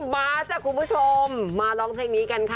มาจ้ะคุณผู้ชมมาร้องเพลงนี้กันค่ะ